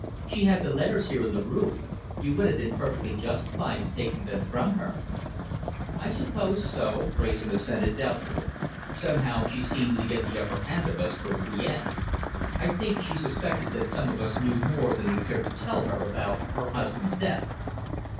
She had the letters here in the room. You would have been perfectly justified in taking them from her." "I suppose so," Wrayson assented, doubtfully. "Somehow she seemed to get the upper hand of us towards the end. I think she suspected that some of us knew more than we cared to tell her about her husband's death."